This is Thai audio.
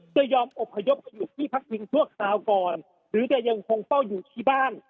จะยอมอบพยพไปอยู่ที่พักพิงชั่วคราวก่อนหรือจะยังคงเฝ้าอยู่ที่บ้าน